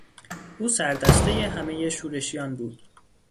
او سردستهی همهی شورشیان بود.